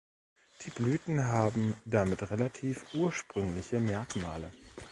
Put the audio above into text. Die Blüten haben damit relativ ursprüngliche Merkmale.